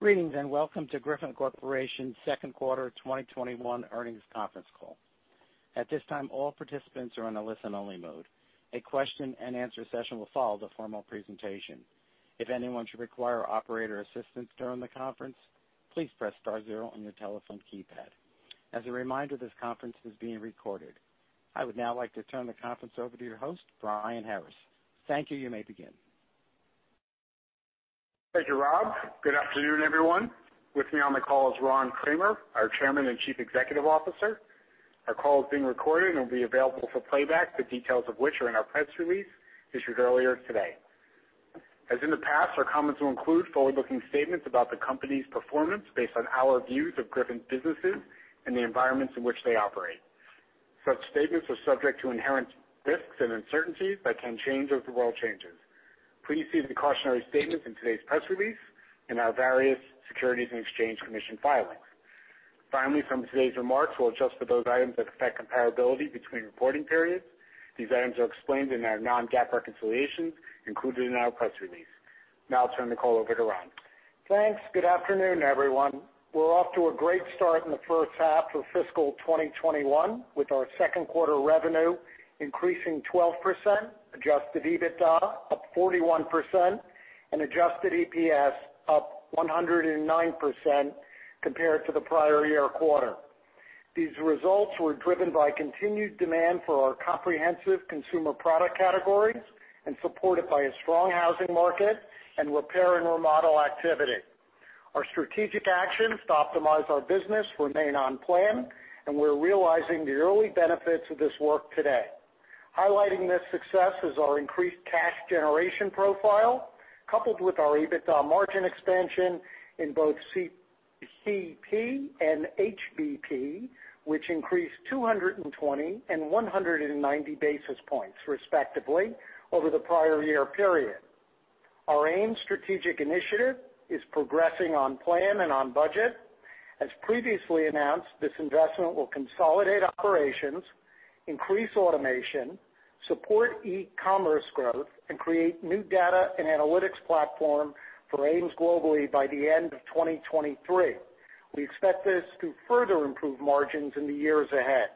Greetings, and welcome to Griffon Corporation's second quarter 2021 earnings conference call. At this time, all participants are on a listen-only mode. A question-and-answer session will follow the formal presentation. If anyone should require operator assistance during the conference, please press star zero on your telephone keypad. As a reminder, this conference is being recorded. I would now like to turn the conference over to your host, Brian Harris. Thank you. You may begin. Thank you, Rob. Good afternoon, everyone. With me on the call is Ron Kramer, our Chairman and Chief Executive Officer. Our call is being recorded and will be available for playback, the details of which are in our press release issued earlier today. As in the past, our comments will include forward-looking statements about the company's performance based on our views of Griffon's businesses and the environments in which they operate. Such statements are subject to inherent risks and uncertainties that can change as the world changes. Please see the cautionary statements in today's press release and our various Securities and Exchange Commission filings. Finally, from today's remarks, we'll adjust for those items that affect comparability between reporting periods. These items are explained in our non-GAAP reconciliations included in our press release. Now I'll turn the call over to Ron. Thanks. Good afternoon, everyone. We're off to a great start in the first half of fiscal 2021, with our second quarter revenue increasing 12%, adjusted EBITDA up 41%, and adjusted EPS up 109% compared to the prior year quarter. These results were driven by continued demand for our comprehensive consumer product categories and supported by a strong housing market and repair and remodel activity. Our strategic actions to optimize our business remain on plan, and we're realizing the early benefits of this work today. Highlighting this success is our increased cash generation profile, coupled with our EBITDA margin expansion in both CPP and HBP, which increased 220 and 190 basis points, respectively, over the prior year period. Our AMES strategic initiative is progressing on plan and on budget. As previously announced, this investment will consolidate operations, increase automation, support e-commerce growth, and create new data and analytics platform for AMES globally by the end of 2023. We expect this to further improve margins in the years ahead.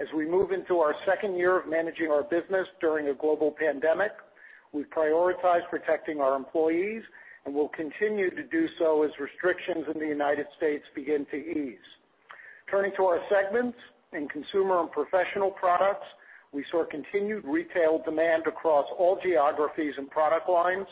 As we move into our second year of managing our business during a global pandemic, we prioritize protecting our employees and will continue to do so as restrictions in the United States begin to ease. Turning to our segments. In Consumer and Professional Products, we saw continued retail demand across all geographies and product lines.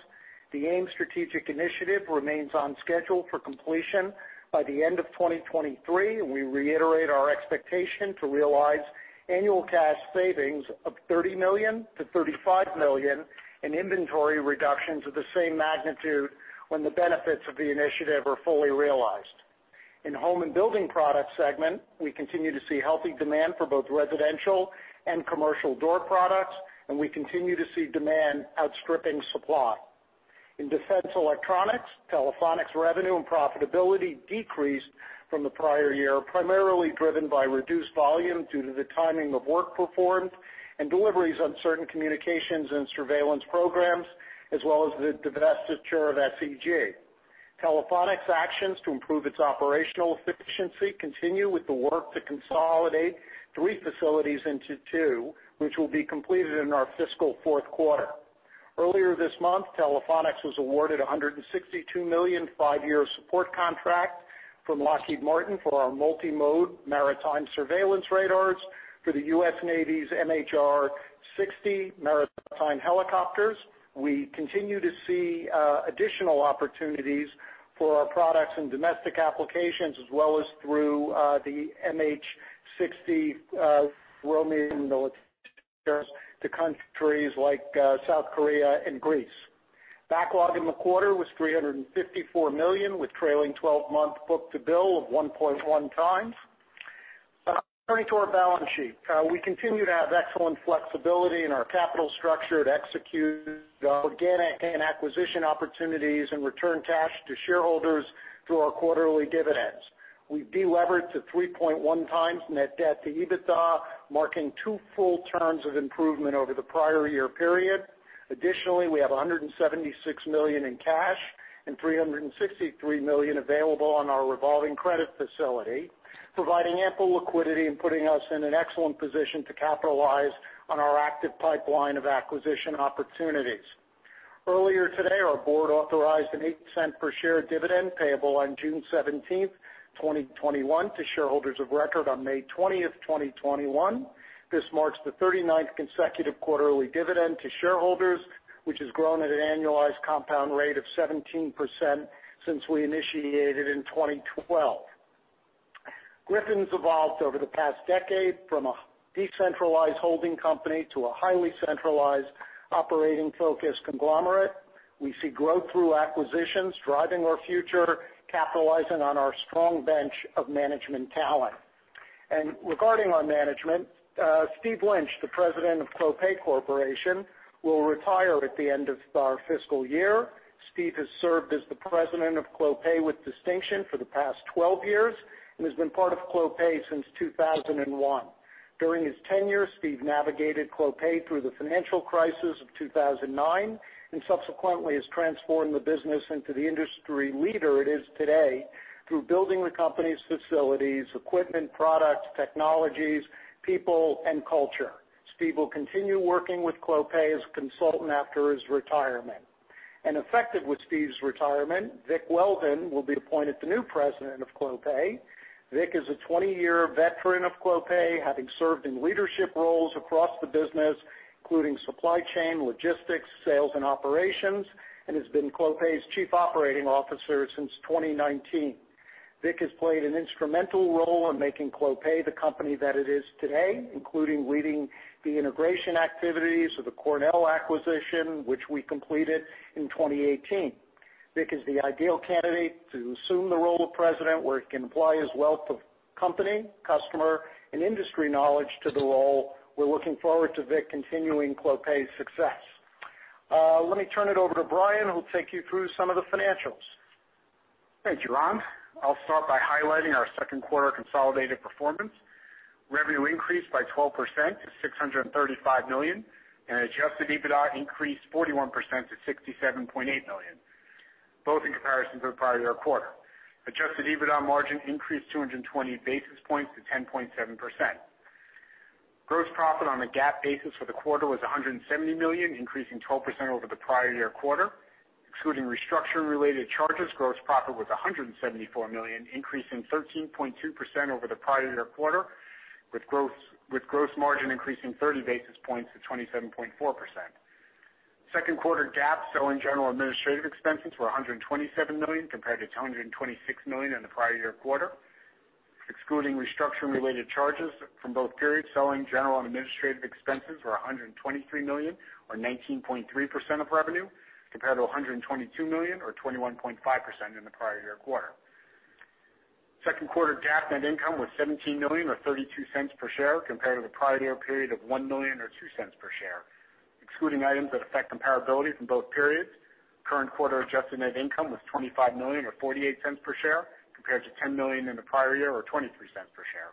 The AMES strategic initiative remains on schedule for completion by the end of 2023, and we reiterate our expectation to realize annual cash savings of $30 million-$35 million in inventory reductions of the same magnitude when the benefits of the initiative are fully realized. In Home and Building Products segment, we continue to see healthy demand for both residential and commercial door products, and we continue to see demand outstripping supply. In Defense Electronics, Telephonics revenue and profitability decreased from the prior year, primarily driven by reduced volume due to the timing of work performed and deliveries on certain communications and surveillance programs, as well as the divestiture of SEG. Telephonics actions to improve its operational efficiency continue with the work to consolidate three facilities into two, which will be completed in our fiscal fourth quarter. Earlier this month, Telephonics was awarded $162 million five-year support contract from Lockheed Martin for our multi-mode maritime surveillance radars for the U.S. Navy's MH-60R maritime helicopters. We continue to see additional opportunities for our products and domestic applications as well as through the MH-60 Romeo military to countries like South Korea and Greece. Backlog in the quarter was $354 million, with trailing 12-month book-to-bill of 1.1 times. Turning to our balance sheet. We continue to have excellent flexibility in our capital structure to execute organic and acquisition opportunities and return cash to shareholders through our quarterly dividends. We've delevered to 3.1 times net debt to EBITDA, marking two full turns of improvement over the prior year period. Additionally, we have $176 million in cash and $363 million available on our revolving credit facility, providing ample liquidity and putting us in an excellent position to capitalize on our active pipeline of acquisition opportunities. Earlier today, our board authorized an $0.08 per share dividend payable on June 17th, 2021 to shareholders of record on May 20th, 2021. This marks the 39th consecutive quarterly dividend to shareholders, which has grown at an annualized compound rate of 17% since we initiated in 2012. Griffon's evolved over the past decade from a decentralized holding company to a highly centralized, operating-focused conglomerate. We see growth through acquisitions driving our future, capitalizing on our strong bench of management talent. Regarding our management, Steve Lynch, the President of Clopay Corporation, will retire at the end of our fiscal year. Steve has served as the President of Clopay with distinction for the past 12 years and has been part of Clopay since 2001. During his tenure, Steve navigated Clopay through the financial crisis of 2009, and subsequently has transformed the business into the industry leader it is today through building the company's facilities, equipment, products, technologies, people, and culture. Steve will continue working with Clopay as a consultant after his retirement. Effective with Steve's retirement, Vic Weldon will be appointed the new president of Clopay. Vic is a 20-year veteran of Clopay, having served in leadership roles across the business, including supply chain, logistics, sales, and operations, and has been Clopay's Chief Operating Officer since 2019. Vic has played an instrumental role in making Clopay the company that it is today, including leading the integration activities of the Cornell acquisition, which we completed in 2018. Vic is the ideal candidate to assume the role of president, where he can apply his wealth of company, customer, and industry knowledge to the role. We're looking forward to Vic continuing Clopay's success. Let me turn it over to Brian, who will take you through some of the financials. Thank you, Ron. I'll start by highlighting our second quarter consolidated performance. Revenue increased by 12% to $635 million, and adjusted EBITDA increased 41% to $67.8 million, both in comparison to the prior year quarter. Adjusted EBITDA margin increased 220 basis points to 10.7%. Gross profit on a GAAP basis for the quarter was $170 million, increasing 12% over the prior year quarter. Excluding restructuring-related charges, gross profit was $174 million, increasing 13.2% over the prior year quarter, with gross margin increasing 30 basis points to 27.4%. Second quarter GAAP selling and general administrative expenses were $127 million, compared to $226 million in the prior year quarter. Excluding restructuring-related charges from both periods, selling and general administrative expenses were $123 million or 19.3% of revenue, compared to $122 million or 21.5% in the prior year quarter. Second quarter GAAP net income was $17 million or $0.32 per share compared to the prior year period of $1 million or $0.02 per share. Excluding items that affect comparability from both periods, current quarter adjusted net income was $25 million or $0.48 per share, compared to $10 million in the prior year or $0.23 per share.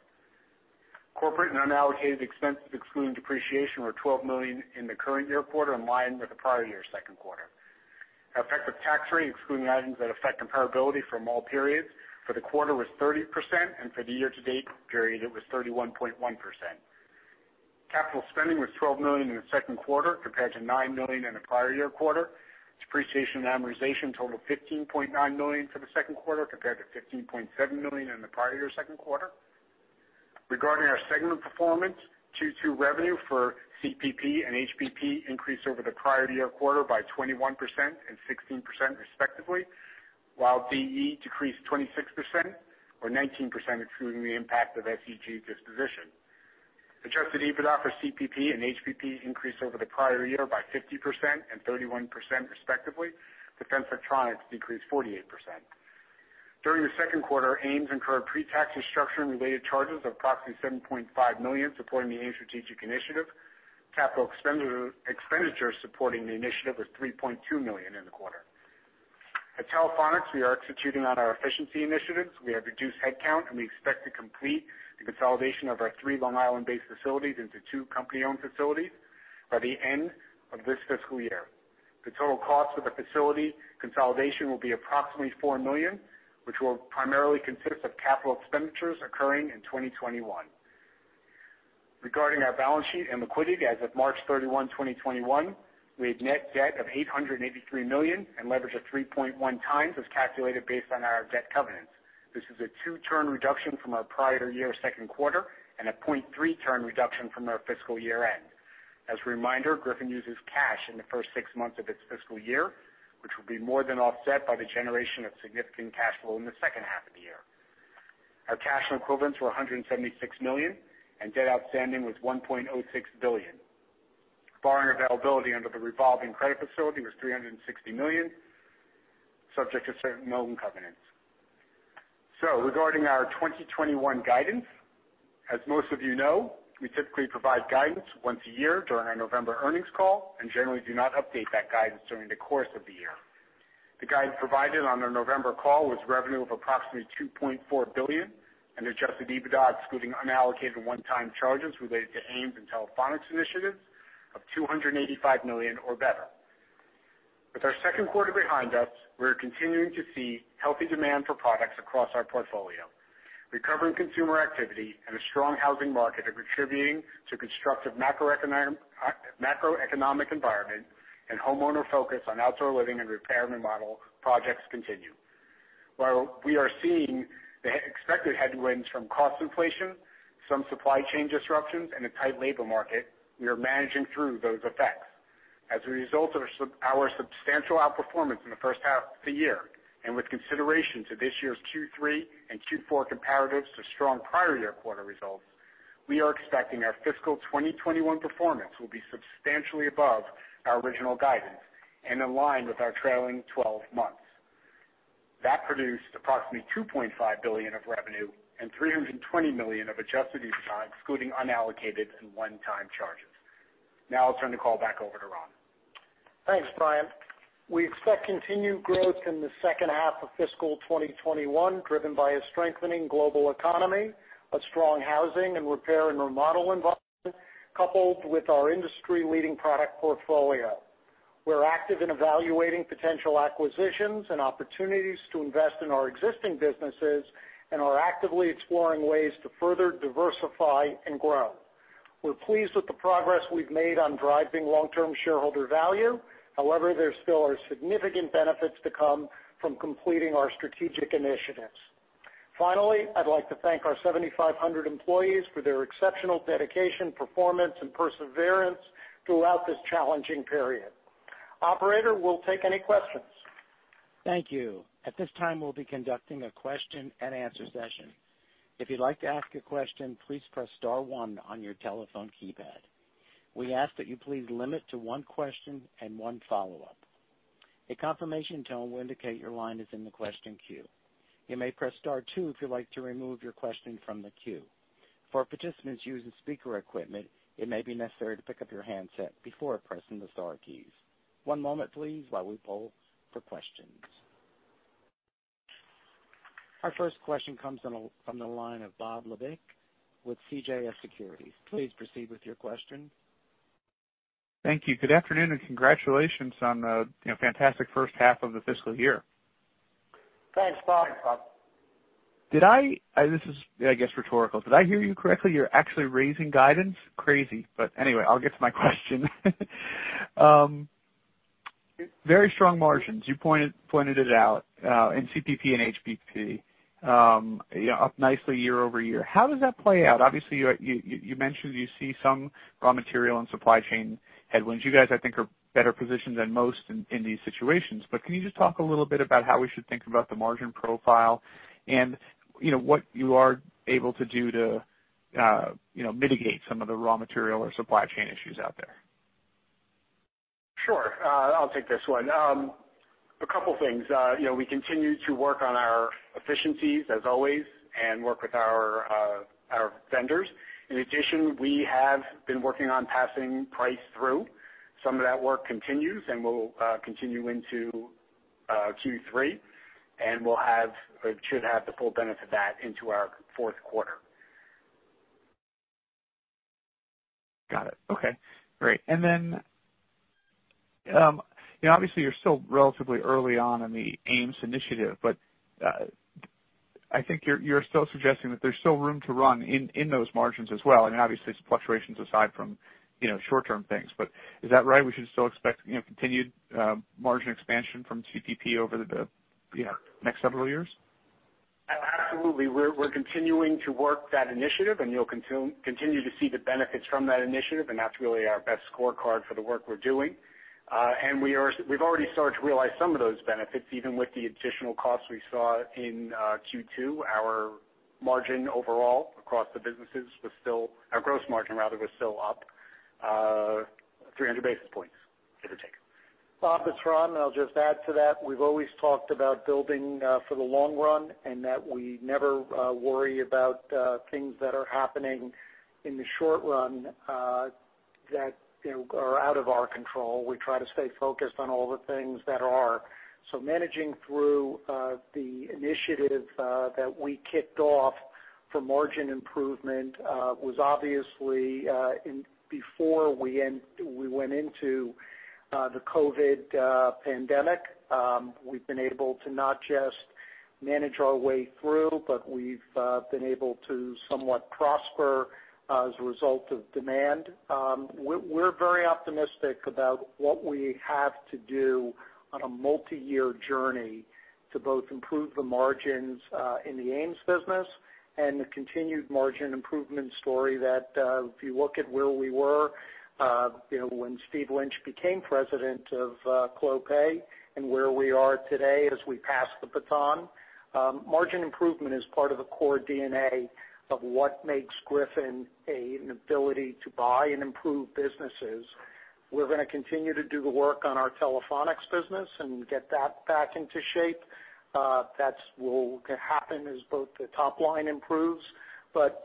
Corporate and unallocated expenses, excluding depreciation, were $12 million in the current year quarter in line with the prior year second quarter. Our effective tax rate, excluding items that affect comparability from all periods for the quarter was 30%, and for the year-to-date period, it was 31.1%. Capital spending was $12 million in the second quarter compared to $9 million in the prior year quarter. Depreciation and amortization totaled $15.9 million for the second quarter compared to $15.7 million in the prior year second quarter. Regarding our segment performance, Q2 revenue for CPP and HBP increased over the prior year quarter by 21% and 16% respectively, while DE decreased 26%, or 19% excluding the impact of SEG disposition. Adjusted EBITDA for CPP and HBP increased over the prior year by 50% and 31%, respectively. Defense Electronics decreased 48%. During the second quarter, AMES incurred pre-tax restructuring related charges of approximately $7.5 million supporting the AMES strategic initiative. Capital expenditures supporting the initiative was $3.2 million in the quarter. At Telephonics, we are executing on our efficiency initiatives. We have reduced headcount, and we expect to complete the consolidation of our three Long Island-based facilities into two company-owned facilities by the end of this fiscal year. The total cost of the facility consolidation will be approximately $4 million, which will primarily consist of capital expenditures occurring in 2021. Regarding our balance sheet and liquidity, as of March 31, 2021, we had net debt of $883 million and leverage of 3.1 times as calculated based on our debt covenants. This is a two-turn reduction from our prior year second quarter and a 0.3-turn reduction from our fiscal year-end. As a reminder, Griffon uses cash in the first six months of its fiscal year, which will be more than offset by the generation of significant cash flow in the second half of the year. Our cash equivalents were $176 million, and debt outstanding was $1.06 billion. Borrowing availability under the revolving credit facility was $360 million, subject to certain loan covenants. Regarding our 2021 guidance, as most of you know, we typically provide guidance once a year during our November earnings call and generally do not update that guidance during the course of the year. The guidance provided on our November call was revenue of approximately $2.4 billion and adjusted EBITDA, excluding unallocated one-time charges related to AMES and Telephonics initiatives, of $285 million or better. With our second quarter behind us, we are continuing to see healthy demand for products across our portfolio. Recovering consumer activity and a strong housing market are contributing to a constructive macroeconomic environment, and homeowner focus on outdoor living and repair and remodel projects continue. While we are seeing the expected headwinds from cost inflation, some supply chain disruptions, and a tight labor market, we are managing through those effects. As a result of our substantial outperformance in the first half of the year, and with consideration to this year's Q3 and Q4 comparatives to strong prior year quarter results, we are expecting our fiscal 2021 performance will be substantially above our original guidance and in line with our trailing 12 months. That produced approximately $2.5 billion of revenue and $320 million of adjusted EBITDA, excluding unallocated and one-time charges. Now I'll turn the call back over to Ron. Thanks, Brian. We expect continued growth in the second half of fiscal 2021, driven by a strengthening global economy, a strong housing and repair and remodel environment, coupled with our industry-leading product portfolio. We're active in evaluating potential acquisitions and opportunities to invest in our existing businesses and are actively exploring ways to further diversify and grow. We're pleased with the progress we've made on driving long-term shareholder value. However, there still are significant benefits to come from completing our strategic initiatives. Finally, I'd like to thank our 7,500 employees for their exceptional dedication, performance, and perseverance throughout this challenging period. Operator, we'll take any questions. Thank you. At this time, we'll be conducting a question and answer session. Our first question comes from the line of Bob Labick with CJS Securities. Please proceed with your question. Thank you. Good afternoon and congratulations on a fantastic first half of the fiscal year. Thanks, Bob. This is, I guess, rhetorical. Did I hear you correctly? You're actually raising guidance? Crazy. Anyway, I'll get to my question. Very strong margins. You pointed it out, in CPP and HBP, up nicely year-over-year. How does that play out? Obviously, you mentioned you see some raw material and supply chain headwinds. You guys, I think, are better positioned than most in these situations, but can you just talk a little bit about how we should think about the margin profile and what you are able to do to mitigate some of the raw material or supply chain issues out there? Sure. I'll take this one. A couple things. We continue to work on our efficiencies as always and work with our vendors. In addition, we have been working on passing price through. Some of that work continues and will continue into Q3, and we should have the full benefit of that into our fourth quarter. Got it. Okay, great. Then obviously you're still relatively early on in the AMES initiative, but I think you're still suggesting that there's still room to run in those margins as well, and obviously fluctuations aside from short-term things. Is that right? We should still expect continued margin expansion from CPP over the next several years? Absolutely. We're continuing to work that initiative, and you'll continue to see the benefits from that initiative, and that's really our best scorecard for the work we're doing. And we've already started to realize some of those benefits, even with the additional costs we saw in Q2. Our margin overall across the businesses, our gross margin, rather, was still up 300 basis points, give or take. Bob, it's Ron, and I'll just add to that. We've always talked about building for the long run and that we never worry about things that are happening in the short run that are out of our control. We try to stay focused on all the things that are. Managing through the initiative that we kicked off for margin improvement was obviously before we went into the COVID pandemic. We've been able to not just manage our way through, but we've been able to somewhat prosper as a result of demand. We're very optimistic about what we have to do on a multi-year journey to both improve the margins in the AMES business and the continued margin improvement story that, if you look at where we were when Steve Lynch became president of Clopay and where we are today as we pass the baton. Margin improvement is part of the core DNA of what makes Griffon an ability to buy and improve businesses. We're going to continue to do the work on our Telephonics business and get that back into shape. That will happen as both the top line improves.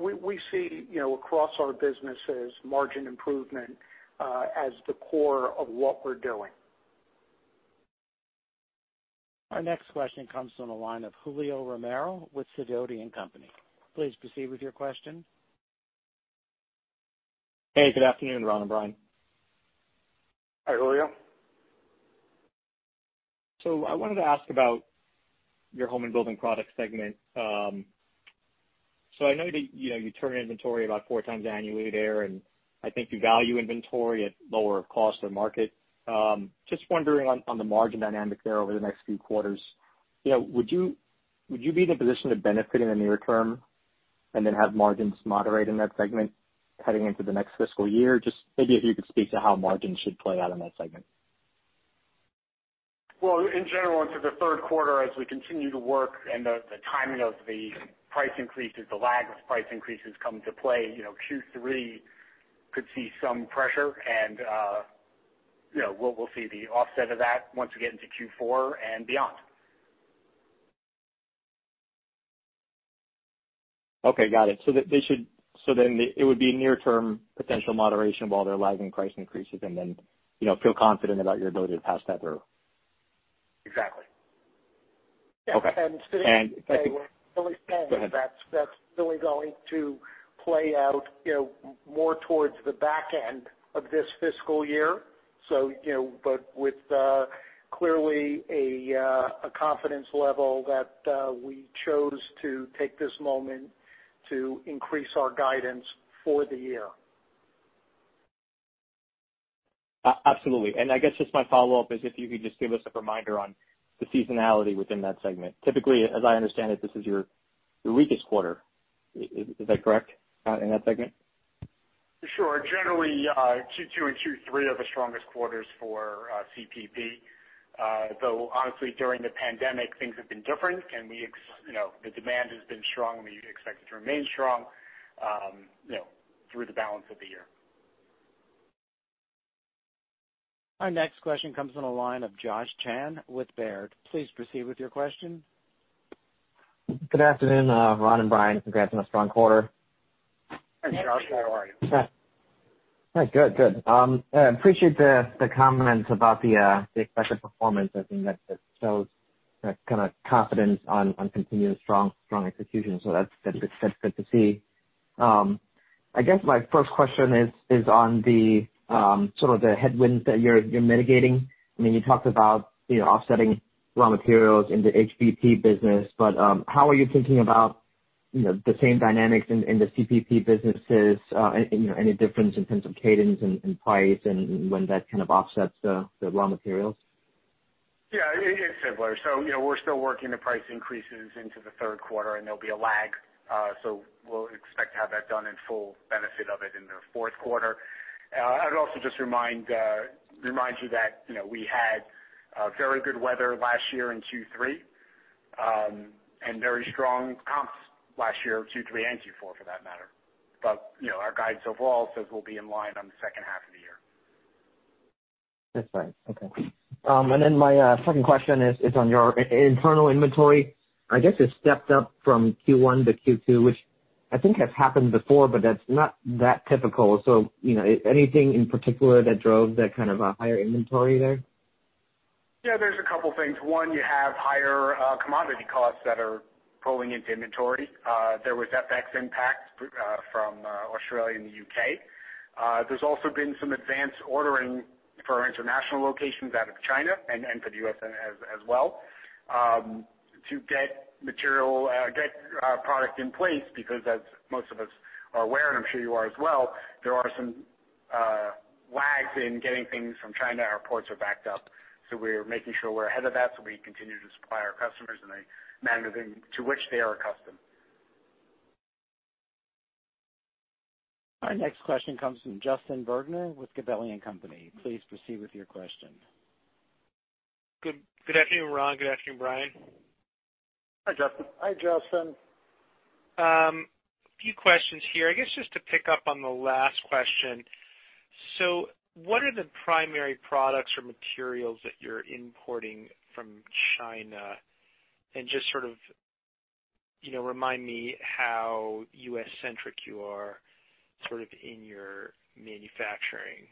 We see across our businesses margin improvement as the core of what we're doing. Our next question comes from the line of Julio Romero with SIDOTI & Company. Please proceed with your question. Hey, good afternoon, Ron and Brian. Hi, Julio. I wanted to ask about your Home and Building Products segment. I know that you turn inventory about four times annually there, and I think you value inventory at lower cost than market. Just wondering on the margin dynamic there over the next few quarters. Would you be in a position to benefit in the near term and then have margins moderate in that segment heading into the next fiscal year? Just maybe if you could speak to how margins should play out in that segment. Well, in general, into the third quarter, as we continue to work and the timing of the price increases, the lag of price increases come into play, Q3 could see some pressure and we'll see the offset of that once we get into Q4 and beyond. Okay, got it. It would be near-term potential moderation while they're lagging price increases and then feel confident about your ability to pass that through. Exactly. Okay. And to- And I think- That's really going to play out more towards the back end of this fiscal year. With clearly a confidence level that we chose to take this moment to increase our guidance for the year. Absolutely. I guess just my follow-up is if you could just give us a reminder on the seasonality within that segment. Typically, as I understand it, this is your weakest quarter. Is that correct, in that segment? Sure. Generally, Q2 and Q3 are the strongest quarters for CPP. Though honestly, during the pandemic, things have been different. The demand has been strong, and we expect it to remain strong through the balance of the year. Our next question comes on the line of Josh Chan with Baird. Please proceed with your question. Good afternoon, Ron and Brian. Congrats on a strong quarter. Hi, Josh. How are you? Hi. Good. Appreciate the comments about the expected performance. I think that shows that confidence on continued strong execution, so that's good to see. I guess my first question is on the sort of the headwinds that you're mitigating. You talked about offsetting raw materials in the HBP business, but how are you thinking about the same dynamics in the CPP businesses? Any difference in terms of cadence and price and when that kind of offsets the raw materials? Yeah, it's similar. We're still working the price increases into the third quarter, and there'll be a lag. We'll expect to have that done in full benefit of it in the fourth quarter. I would also just remind you that we had very good weather last year in Q3, and very strong comps last year, Q3 and Q4 for that matter. Our guidance overall says we'll be in line on the second half of the year. That's fine. Okay. My second question is on your internal inventory. I guess it stepped up from Q1 to Q2, which I think has happened before, but that's not that typical. Anything in particular that drove that kind of a higher inventory there? Yeah, there's a couple things. One, you have higher commodity costs that are pulling into inventory. There was FX impact from Australia and the U.K. There's also been some advanced ordering for our international locations out of China and for the U.S. as well, to get product in place because as most of us are aware, and I'm sure you are as well, there are some lags in getting things from China. Our ports are backed up, so we're making sure we're ahead of that, so we continue to supply our customers in a manner to which they are accustomed. Our next question comes from Justin Bergner with Gabelli & Company. Please proceed with your question. Good afternoon, Ron. Good afternoon, Brian. Hi, Justin. Hi, Justin. A few questions here. I guess, just to pick up on the last question, what are the primary products or materials that you're importing from China? Just sort of remind me how US-centric you are sort of in your manufacturing,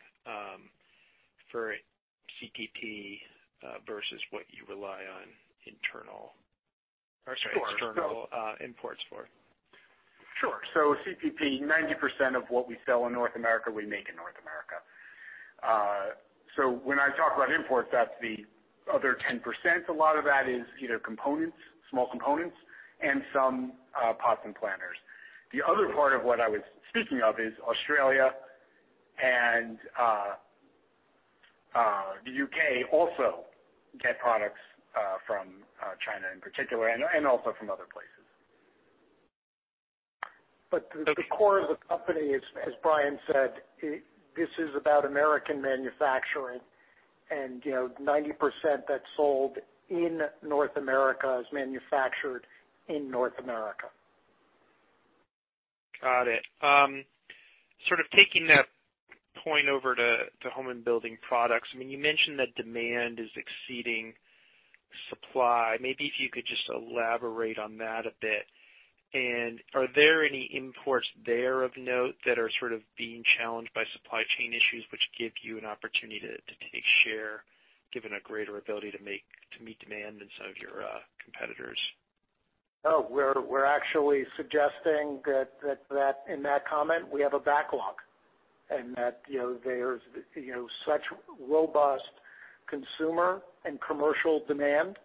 for CPP, versus what you rely on external imports for. Sure. CPP, 90% of what we sell in North America, we make in North America. When I talk about imports, that's the other 10%. A lot of that is either components, small components, and some pots and planters. The other part of what I was speaking of is Australia and the U.K. also get products from China in particular, and also from other places. The core of the company, as Brian said, this is about American manufacturing. 90% that's sold in North America is manufactured in North America. Got it. Sort of taking that point over to Home and Building Products. You mentioned that demand is exceeding supply. Maybe if you could just elaborate on that a bit. Are there any imports there of note that are sort of being challenged by supply chain issues, which give you an opportunity to take share, given a greater ability to meet demand instead of your competitors? No, we're actually suggesting that in that comment, we have a backlog. That there's such robust consumer and commercial demand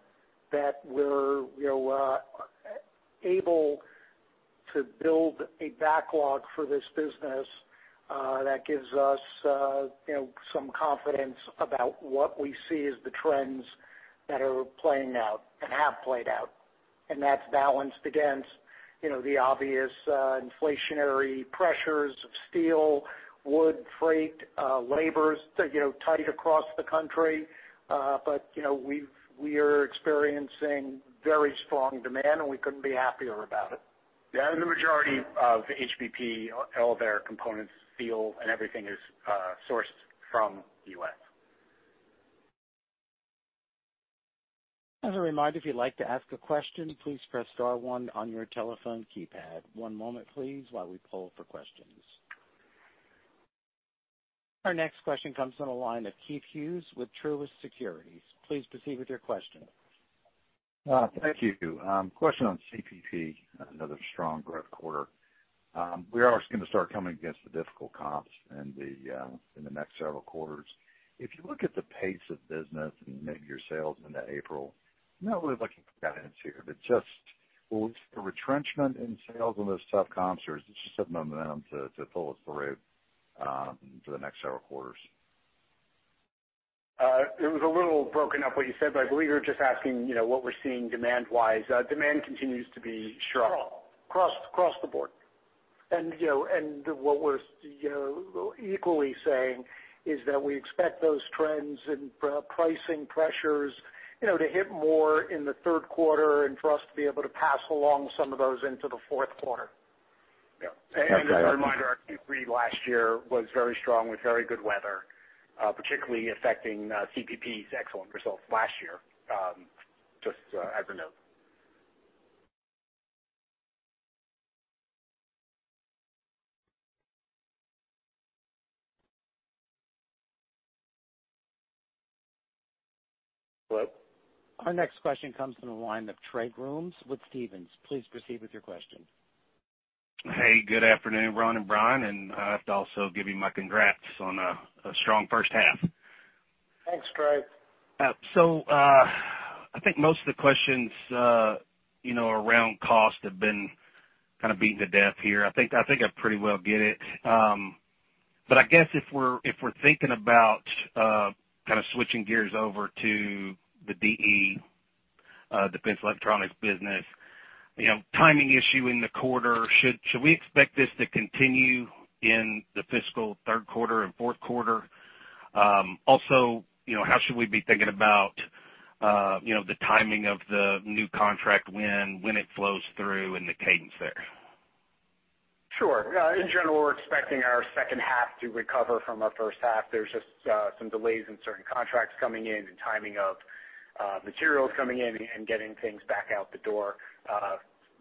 that we're able to build a backlog for this business that gives us some confidence about what we see as the trends that are playing out and have played out. That's balanced against the obvious inflationary pressures of steel, wood, freight, labor's tight across the country. We are experiencing very strong demand, and we couldn't be happier about it. Yeah. The majority of HBP, all their components, steel, and everything is sourced from the U.S. As a reminder, if you'd like to ask a question, please press star one on your telephone keypad. One moment please, while we poll for questions. Our next question comes from the line of Keith Hughes with Truist Securities. Please proceed with your question. Thank you. Question on CPP. Another strong growth quarter. We are going to start coming against the difficult comps in the next several quarters. If you look at the pace of business and maybe your sales into April, I'm not really looking for guidance here, but just was the retrenchment in sales on those tough comps, or is this just a momentum to pull us through for the next several quarters? It was a little broken up, what you said, but I believe you were just asking what we're seeing demand-wise. Demand continues to be strong across the board. What we're equally saying is that we expect those trends and pricing pressures to hit more in the third quarter and for us to be able to pass along some of those into the fourth quarter. Okay. Just a reminder, our Q3 last year was very strong with very good weather, particularly affecting CPP's excellent results last year. Just as a note. Hello? Our next question comes from the line of Trey Grooms with Stephens. Please proceed with your question. Hey, good afternoon, Ron and Brian. I have to also give you my congrats on a strong first half. Thanks, Trey. I think most of the questions around cost have been kind of beaten to death here. I think I pretty well get it. I guess if we're thinking about kind of switching gears over to the DE, Defense Electronics business, timing issue in the quarter, should we expect this to continue in the fiscal third quarter and fourth quarter? Also, how should we be thinking about the timing of the new contract, when it flows through and the cadence there? Sure. In general, we're expecting our second half to recover from our first half. There's just some delays in certain contracts coming in and timing of materials coming in and getting things back out the door.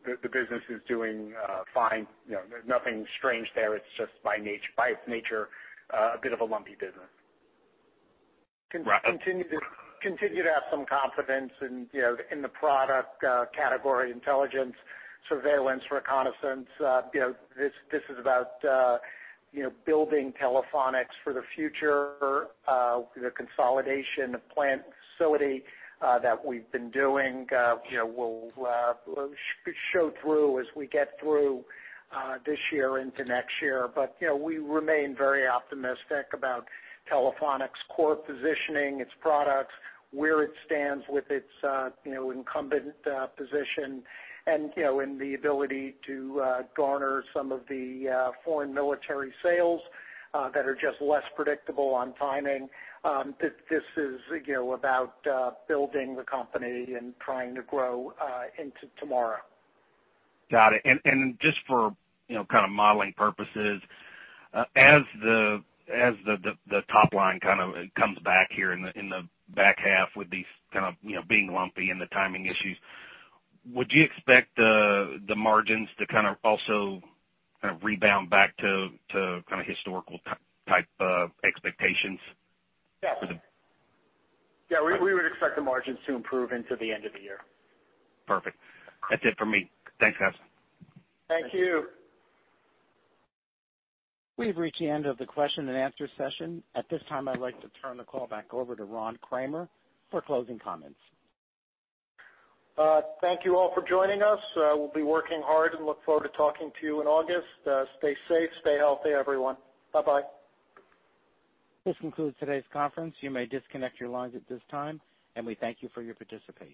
The business is doing fine. There's nothing strange there. It's just by its nature, a bit of a lumpy business. Right. Continue to have some confidence in the product category, intelligence, surveillance, reconnaissance. This is about building Telephonics for the future. The consolidation of plant facility that we've been doing will show through as we get through this year into next year. We remain very optimistic about Telephonics' core positioning, its products, where it stands with its incumbent position and the ability to garner some of the foreign military sales that are just less predictable on timing. This is about building the company and trying to grow into tomorrow. Got it. Just for kind of modeling purposes, as the top line kind of comes back here in the back half with these kind of being lumpy and the timing issues, would you expect the margins to kind of also rebound back to historical type of expectations? Yes. We would expect the margins to improve into the end of the year. Perfect. That's it for me. Thanks, guys. Thank you. We've reached the end of the question and answer session. At this time, I'd like to turn the call back over to Ron Kramer for closing comments. Thank you all for joining us. We'll be working hard and look forward to talking to you in August. Stay safe, stay healthy, everyone. Bye-bye. This concludes today's conference. You may disconnect your lines at this time, and we thank you for your participation.